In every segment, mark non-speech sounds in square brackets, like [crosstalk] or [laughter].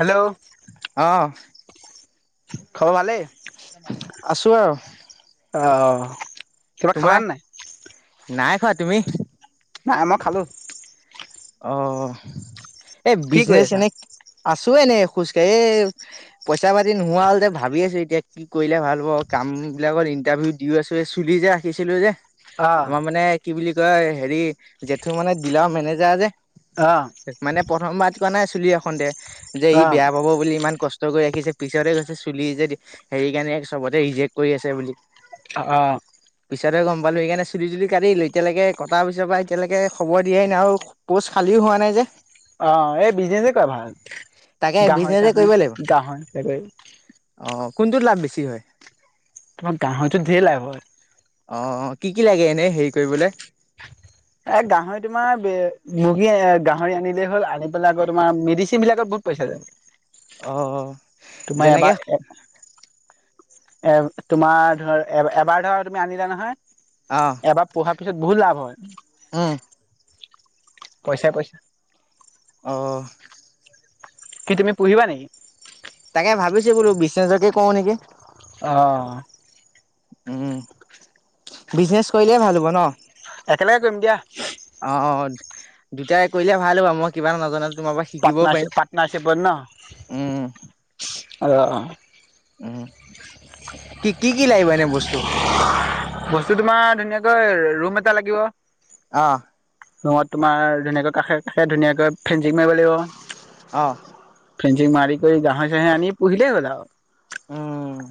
Hello আহ খবৰ ভালেই আছো আৰু। অ। কিবা খালানে তোমাৰ? নাই নাই খোৱা তুমি? নাই, মই খালোঁ। অ' এ, কি কৰি বিজনেচ আছা এনে আছ এনেই খোজকাঢ়ি এই, পইচা পাতি নোহোৱা হ'ল যে, ভাবি আছোঁ এতিয়া কি কৰিলে ভাল হ'ব কাম বিলাকত ইণ্টাৰভিউ দিয়ো আছোঁ এই চুলি যে, ৰাখিছিলোঁ যে অ আমাৰ মানে কি বুলি ত' হেৰি জেঠু মানে দিলাৰ মেনেজ যাজে অ মানে প্ৰথম বাত নাই চুলি‌ [unintelligible] যে ই অ বেয়া পাব বুলি ইমান কষ্ট কষ্ট কৰি ৰাখিছে। পিছতহে কৈছে। চুলিৰ যদি হেৰি কাৰণে, চবতে ৰিজেক্ট কৰি আছে বুলি অ'। পিছতহে গম পালোঁ। সেইকাৰণে চুলি তুলি কাটি দিলোঁ। এতিয়ালৈকে কটাৰ পিছৰ পৰা এতিয়ালৈকে খবৰ দিয়াই নাই, আৰু প'ষ্ট খালীও হোৱা নাই যে অ', এই বিজনেছেই কৰা ভাল। তাকে বিজনেছে গাহৰি-চাহৰি, কৰিব লাগিব গাহৰি বেলেগ অ কোনটোত লাভ বেছি হয়? তোমাৰ গাহৰিটোত ঢেৰ লাভ হয়। অ', কি-কি লাগে এনেই হেৰি কৰিবলৈ? এ, গাহৰি, তোমাৰ মুৰ্গী। গাহৰি আনিলেই হ'ল, আনি পেলাই, আকৌ তোমাৰ মেডিচিনবিলাকত বহুত পইচা যায়। অ', তোমাৰ যেনেকে এবাৰ এ, তোমাৰ ধৰ, এ, এবাৰ ধৰা তুমি আনিলা নহয় এবাৰ পুহা পিছত বহুত লাভ হয়। হম। পইচাই-পইচা অ'। কি, তুমি পুহিবা নেকি? তাকে ভাবিছোঁ বোলো, বিজনেছকে কৰোঁ নেকি? অ'। উম। বিজনেচ কৰিলে ভাল হ'ব ন? একেলগে কৰিম দিয়া। অ অ দুটাই কৰিলে ভাল হ'ব মই কিবা নজনা তোমাৰ পৰা শিকিবও পাৰ্টনাৰশ্বিপ পাৰিম, পাৰ্টনাৰশ্বিপত ন উম। অ' উম, কি, কি, লাগিব এনে বস্তু? ক ৰুম এটা লাগিব। অ ' ৰুমত তোমাৰ ধুনীয়াকৈ কাষে-কাষে ধুনীয়াকৈ ফেঞ্চিং মাৰিব লাগিব। অ ফেঞ্চি মাৰ কৰি গাহয়ি আনি পুহিলে হ'লা আৰু উম।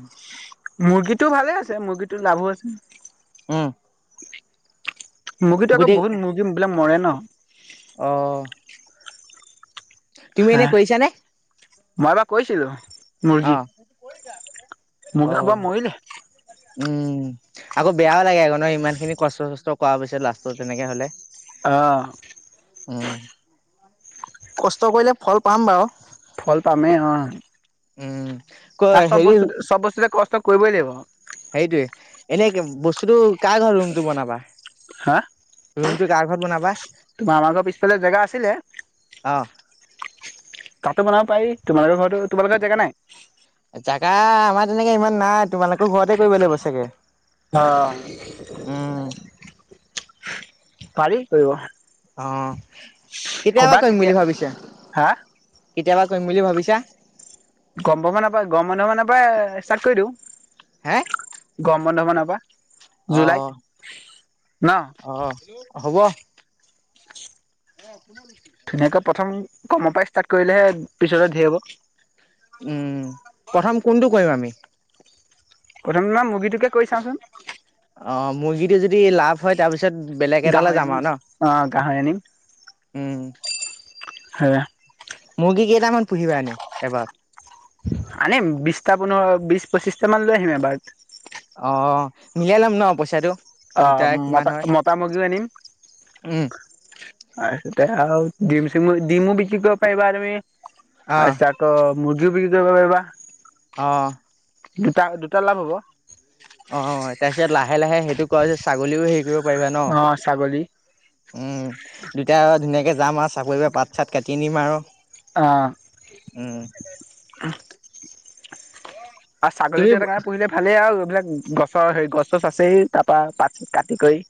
মুৰ্গীটোও ভালে আছে। মুৰ্গীটো লাভো আছে। উম। মুৰ্গীটো আকৌ, গোটেই বহুত মুৰ্গী বিলাক। মৰে ন। অ তুমি হা এনে কৰিছা নে মই এবাৰ কৰিছিলো। মুৰ্গী, মুৰ্গী সোপা মৰিলে। উম। আকৌ বেয়াও লাগে ন ইমান খিনি কষ্ট চষ্ট কোৱা পিছত লাষ্টত তেনেকে হলে আহ। উম কষ্ট কৰিলে ফল পাম বাৰু। ফল পামেই অ। উম। ক হেৰি [unintelligible] কৰিবই লাগিব। সেইটোৱে এনে বস্তুটো কাৰ ঘৰত ৰুমটো বনাবা। হা ৰুমটো কাৰ ঘৰত বনাবা? তোমাৰ আমাৰ ঘৰৰ পিছফালে জেগা আছিলে অ' তাতো বনাব পাৰি, তোমালোকৰ ঘৰতো তোমালোক ঘৰত জেগা নাই? জাগা আমাৰ তেনেকে ইমান নাই। তোমালোকৰ ঘৰতে কৰিব লাগিব চাগে। অ উম। পাৰি কৰিব। অ' কবা কেতিয়াৰপৰা কৰিম কেতিয়া বুলি ভাবিছে হা কেতিয়াৰপৰা কৰিম বুলি ভাবিছা। [unintelligible] মানৰ পৰা গৰম মানুহ মানৰ পৰা ষ্টাৰ্ট কৰি দিওঁ। হে? গৰম বন্ধ মানত। [unintelligible] অ', ন অ' হব। [unintelligible] ধুনীয়াকৈ প্ৰথম কমৰ পৰা ষ্টাৰ্ট কৰিলেহে পিছলৈ ধেৰ হ'ব। উম প্ৰথম কোনটো কৰিম আমি প্ৰথমে মুৰ্গীটোকে কৰি চাওঁচোন। অ' মুৰ্গীটো যদি লাভ হয় তাৰপিছত তাৰপিছত বেলেগ এটালৈ গাহৰি যাম আৰু ন। অ গাহৰি আনিম উম। মুৰ্গী কেইটামান পুহিবা নি এবাৰ। আনিম বিছটা পোন্ধৰ বিছ পঁচিশটা মান লৈ আহিম এবাৰত অ মিলাই লম ন পইচাটো আহ দুটাৰ কিমান মতা হয়? মতা মুগিও আনিম আ তেতিয়া আও ডিম চিমো ডিমু বিকি কৰিব পাৰিবা তুমি আ আহ চা ক মুৰ্গীও বিকি কইব পাইবা অ দুটা দুটা লাভ হ'ব অ তাৰপিছত লাহে লাহে সেইটো কৰা ছাগলীও হেৰি কৰিব পাৰিবা ন অ ছাগলী উম দুতাই আৰু ধুনীয়াকে যাম আৰু চাকৰিৰপৰা পাত চাত কাটি নিম আও আহ আ তুমি ছাগলীটো এটা কাৰণে পুহিলে ভালে আও এইবিলাক গছৰ হেৰি গছ চছ আছেই তাৰ পৰা পাত কাটি কৰি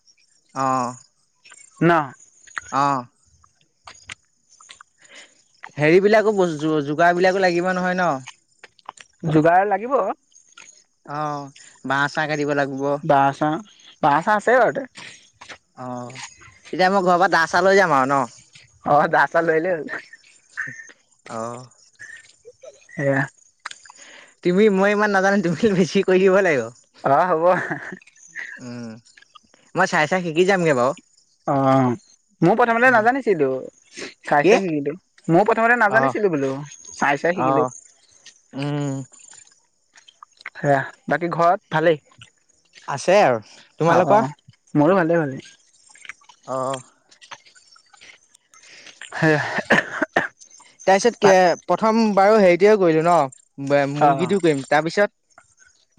অহঁ ন অ হেৰিবিলাকো বস্তু যোগাৰ বিলাকো লাগিব নহয় ন যোগাৰ লাগিব অ বা চাঅঁ দিব লাগিব বাঁহ চাহ বাঁহ চাঁহ আছে ঘৰতে অ এতিয়া মই ঘৰৰ পৰা দা চা লৈ যাম আৰু ন অ দা চা লৈলৈ অহ সেয়া তুমি মই ইমান নাজানো তুমি বেছি কৰি দিব লাগিব অ হ'ব উম মই চাই চাই শিকি যামগে বাৰু অ মও প্ৰথমতে উম, নাজানিছিলো চাই কি চাই শিকিলো মও প্ৰথমতে অহ, নাজানিছিলো বোলো চাই চাই শিকিলো অহ, উম সেয়া বাকী ঘৰত ভালেই আছে আৰু অ অ তোমালোকৰ [unintelligible] অহ সেয়া তাৰ পিছত কে ভাত প্ৰথম বাৰু হেৰিটোয়ে কৰিলো ন বে, অ মুৰ্গীটো কৰিম তাৰ পিছত?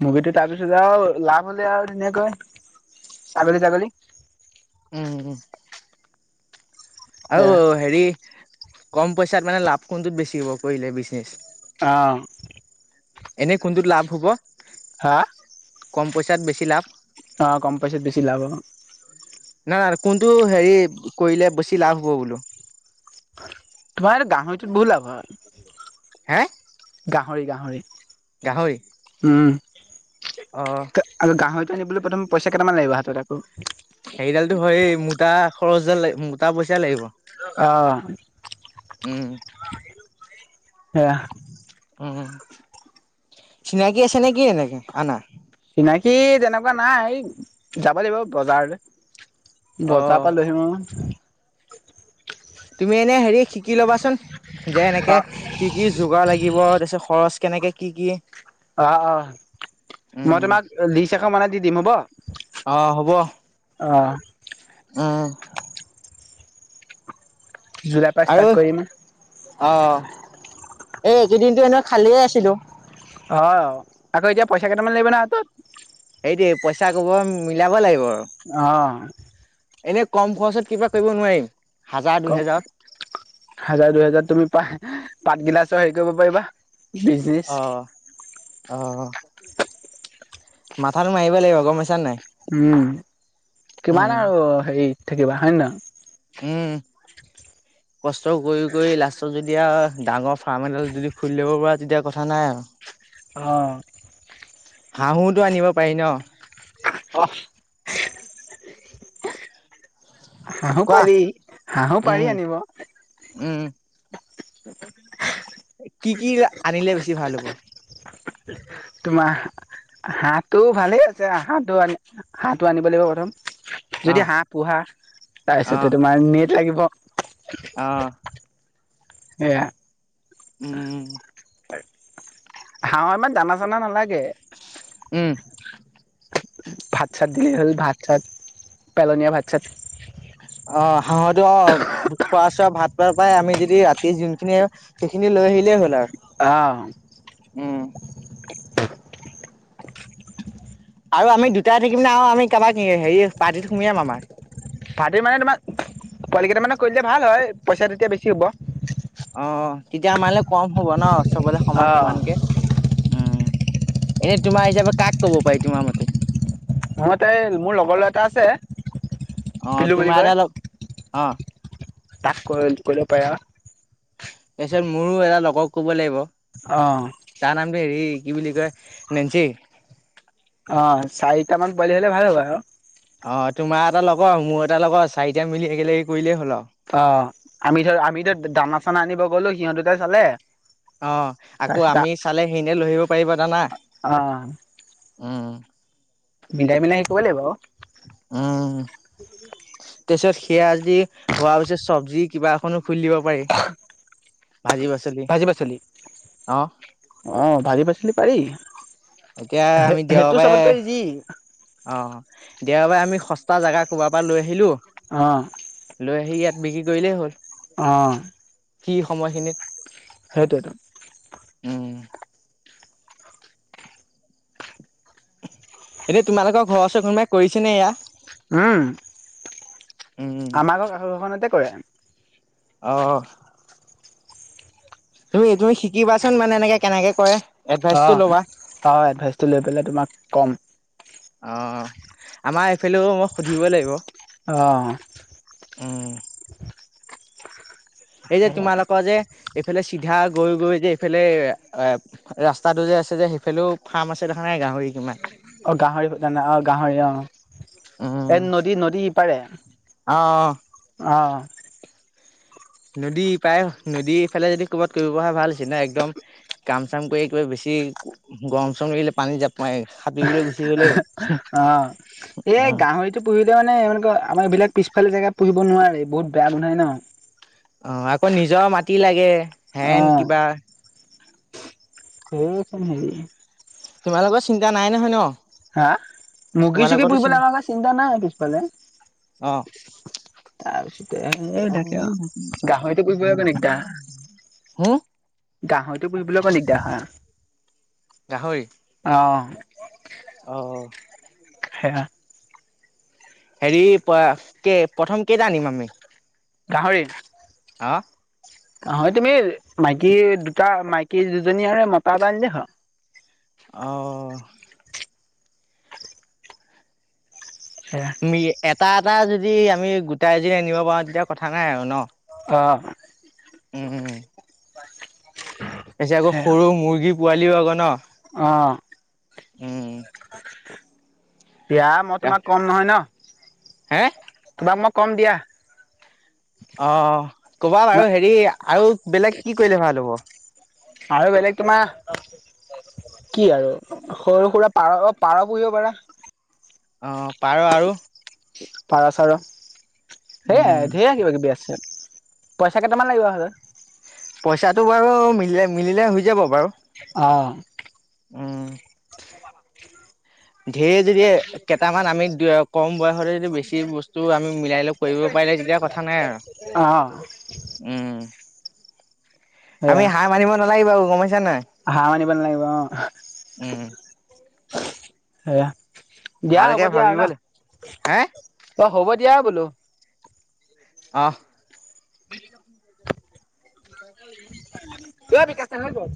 মুৰ্গীটো তাৰপিছত আৰু লাভ হ'লে আৰু ধুনীয়াকৈ ছাগলী, তাগলী। উম। আৰু সেয়া হেৰি কম পইচাত মানে লাভ কোনটোত বেছি হ'ব কৰিলে বিজনেচ? আ এনে কোনটোত লাভ হ'ব? হা কম পইচাত বেছি লাভ। অ কম পইচাত বেছি লাভ অ না, না কোনটো হেৰি কৰিলে বেছি লাভ হ'ব বোলো? তোমাৰ গাহৰিটোত বহু লাভ হয়। হে গাহৰি, গাহৰি। গাহৰি, উম অ'। তই নিবলৈ প্ৰথম পইচা কেটামান লাগিব হাতত আকৌ। সেইদালতো হয়ে মোটা খৰচ দাল মোটা পইচা লাগিব। অ'। উম। সেয়াহ উম, চিনাকি আছে নেকি এনেকে আনা? চিনাকি তেনেকুৱা নাই, যাব লাগিব বজাৰলৈ। অ'। বজাপা লৈ আহি মই তুমি এনে হেৰি শিকি ল'বাচোন। যে, অ এনেকে কি, কি যোগাৰ লাগিব দেচ খৰচ কেনেকে কি, কি? অ', অ', মই উম, তোমাক লিষ্ট এখন বনাই দি দিম হ'ব? অ' হ'ব অ'। উম, জুলাই পা, আৰু ষ্টাৰ্ট কৰিম। অ', এইকেইদিনতো এনেই খালিয়ে আছিলোঁ। অহ, আকৌ এতিয়া পইচা কেইটামান লাগিব নহয় হাতত। সেইটোৱে পইচা ক'বা পা, মিলাব লাগিব। আৰু অ'। এনে কম খৰচত কিবা কৰিব নোৱাৰিম? হাজাৰ ক', দুহেজাৰত হাজাৰ, দুই হাজাৰত তুমি পাহ পাত গিলাচৰ হেৰি কৰিব পাৰিবা। বিজনেচ অ, অহ। মাথাটো মাৰিব লাগিব গম পাইছা না নাই। উম' কিমান উম, আৰু হেৰি। থাকিবা হয় ন? উম' কষ্ট কৰি কৰি লাষ্টত যেতিয়া ডাঙৰ ফাৰ্ম এডাল যদি খুলি লব পৰা তেতিয়া কথা নাই আও। অ'। হাঁহোটো আনিব পাৰি ন? অহ'। হাঁহো পাৰি, হাঁহো পাৰি উম আনিব। উম কি কি আনিলে বেছি ভাল হ'ব? তোমাৰ হাঁহটো ভালে আছে, হাঁহটো আনি হাঁহটো আনিব লাগিব প্ৰথম। অ যদি হাঁহ পোহা, অ তাৰপিছতে তোমাৰ নেট লাগিবক। অ। এয়া। উম। তাকে হাঁহ ইমান দানা চাননা নালাগ উম। ভাত চাত দিলেই হ'ল ভাত চাত পেলনীয়া ভাত চাত। অ হাঁহতো আও খোৱাচ চোৱা ভাত পাত পাই আমি যদি ৰাতি যোনখিনি সেইখিনি লৈ আহিলেই হ'ল আও। আ। আৰু আমি দুটাই থাকিম ন আৰু আমি কাৰোবাক হেৰি পাৰ্টিত সোমিয়াম আমাৰ। পাৰ্টি মানে তোমাৰ পোৱালি কেইটা মানক কৈ দিলে ভাল হয় পইচাটো তেতিয়া বেছি হ'ব। অ। তেতিয়া আমালে কম হ'ব ন। চবলে সমান অঁ সমানকে। উম। এনে তোমাৰ হিচাপে কাক ক'ব পাৰি তোমাৰ মতে? মুঠতে মোৰ লগৰ ল'ৰা এটা আছে অ বিল্লু বুলি তোমাৰ এটা কয়। লগ অ', তাক কৰিল কৰিব পাৰা। তাৰপিছত মোৰো এটা লগক কব লাগিব। অঁ তাৰ নামটো হেৰী কি বুলি কয় নেঞ্চি। অ, চাৰিটা মান পোৱালি হ'লে ভাল হয় বাৰু। অ, তোমাৰ এটা লগৰ মোৰ এটা লগৰ চাৰিটাই মিলি একেলগে কৰিলেই হ'ল আৰু। অ, আমি ধৰ আমি এতিয়া দানা চানা আনিব গলো সিহঁত দুটাই চালে অ, আকৌ তাৰপিছত আমি চালেহে এনে লৈ আহিব পাৰিব দানাই অ', উম, মিলাই মিলাই শে কৰিব লাগিব। উম। তাৰপিছত সেয়া আজি হোৱা পিছত চব্জি কিবা এখনো খুলি দিব পাৰি। ভাজি পাচলি ভাজি পাচলি অ অ', ভাজি পাচলি। নি পাৰি। এতিয়া আমি সেইটো দেওবাৰে চবতকৈ ইজি অ'। দেওবাৰে আমি সস্তা জাগা ক'ৰবাৰ পৰা লৈ আহিলোঁ। অ লৈ আহি ইয়াত বিক্ৰী কৰিলেই হ'ল। অ'। সেই সময়খিনিত সেইটোৱেইতো উম এতিয়া তোমালোকৰ ঘৰৰ ওচৰত কোনোবাই কৰিছে নে এইয়া? উম। উম আমাৰ ঘৰৰ কাষৰ ঘৰখনতেই কৰে। অহ। তুমি, তুমি শিকিবাচোন, মানে, এনেকে কেনেকে কৰে এডভাইচটো অ', ল'বা। অ', এডভাইচটো লৈ পেলাই তোমাক ক'ম। অ', আমাৰ এইফালেও মই সুধিবই লাগিব। অ'। উম। এই যে, তোমালোকৰ যে এইফালে চিধা গৈ গৈ যে, এইফালে এ, ৰাস্তাটো যে আছে যে, সেইফালেও ফাৰ্ম আছে। দেখা নাই, গাহৰি কিমান অ', গাহৰি। [unintelligible] অ', গাহৰি। অ', উম। এই নদী, নদী ইপাৰে, অ', অ'। [inaudible] নদী ইপাৰে, নদী ইফালে যদি কৰবাত কৰিব পৰা হয়, ভাল হৈছে ন'? একদম কাম-চাম কৰি একেবাৰে বেছি গৰম-চৰম লাগিলে পানীত জাপ মাৰি সাঁতুৰিবলৈ গুচি গ'লেই হ'ল। অ', এই গাহৰিটো পুহিলে, মানে, এনেকুৱা আমাৰ এইবিলাক পিছফালে জেগাত পুহিব নোৱাৰে নি? বহুত বেয়া গোন্ধায় ন'? অ', আকৌ নিজৰ মাটি লাগে। অ হেন কিবা [unintelligible] হেৰি। তোমালোকৰ চিন্তা নাই নহয় ন'। হা, মুৰ্গী সূৰ্গী তোমালোকৰতো চিন্তা পুহিবলৈ আমাৰ চিন্তা নাই পিছফালে। [inaudible] তাৰপিছতে [unintelligible] থাকে আৰু, গাহৰিটো পুহিবলে কই নি গাহ, হুম গাহৰিটো পুহবলৈ কই নি গাহ অহ। আহঁ। হেয়া হেৰি প কে প্ৰথম কেইটা আনিম আমি। গাহৰি। হা। হয় তুমি মাইকী দুটা মাইকী দুজনী আৰু মতা এটা আন হল। অঁ। সেয়া মি এটা এটা যদি আমি গোটা এজনি আনিব পাৰো তেতিয়া কথা নাই আৰু ন। অঁ। উম। ত আকৌ সৰু মুৰ্গী পোৱালিভাগ ন। আহ। উম বিয়া মই তোমাৰ কম নহয় ন। হে! তোমাক মই কম দিয়া। অ কবা বাৰু, হেৰি আৰু বেলেগ কি কৰিলে ভাল হ'ব? আৰু বেলেগ তোমাৰ কি আৰু সৰু সুৰা পাৰ পাৰ পুৰিব পাৰা। অ পাৰ আৰু পাৰা চাৰ। উম সেয়াাই ঢেয়া কিবা কিবি আছে। পইচা কেইটামান লাগিব হলে। পইচাটো বাৰু মিলে মিলিলে হৈ যাব বাৰু। আহ। উম। ধেৰ যদি কেইটামান আমি কম বয়সতে যদি বেছি বস্তু আমি মিলাই লৈ কৰিব পাৰিলে তেতিয়া কথা নাই আৰু। আহ। উম আমি হাঁহ মাৰিব নালাগে বাৰু। হাৰ মনিব নালাগিব অ। উম সেয়া। দিয়া হ'ব ভালকে দিয়া আৰু ভাবিব ন লা হে অ হ'ব দিয়া। বোলো। আহ। [unintelligible] এই বিকাশ দা হৈ গল।